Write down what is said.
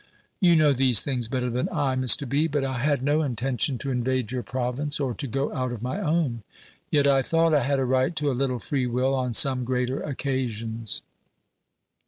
"You know these things better than I, Mr. B. But I had no intention to invade your province, or to go out of my own. Yet I thought I had a right to a little free will, on some greater occasions."